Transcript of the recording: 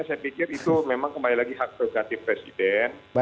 saya pikir itu memang kembali lagi hak prerogatif presiden